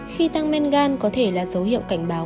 khi tăng men gan có thể là dấu hiệu cảnh báo